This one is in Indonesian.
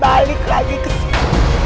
balik lagi ke sini